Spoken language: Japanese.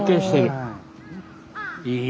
はい。